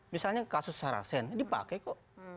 misalnya kasus sarasen dipakai kok